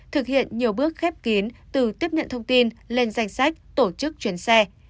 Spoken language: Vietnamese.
thực hiện nhiều bước khép kín từ tiếp nhận thông tin lên danh sách tổ chức chuyến xe